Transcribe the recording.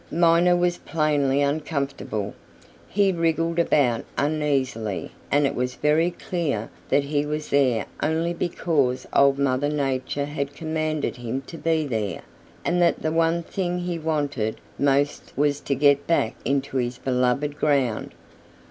Miner was plainly uncomfortable. He wriggled about uneasily and it was very clear that he was there only because Old Mother Nature had commanded him to be there, and that the one thing he wanted most was to get back into his beloved ground.